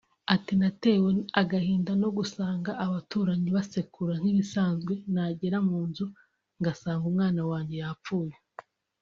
Ati “Natewe agahinda no gusanga abaturanyi basekura nk’ibisanzwe nagera mu nzu ngasanga umwana wanjye yapfuye